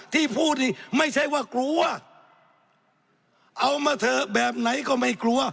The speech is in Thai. ที่พูดนี่ไม่ใช่ว่ากลัวเอามาเถอะแบบไหนก็ไม่กลัว